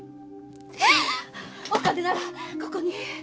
お金ならここに！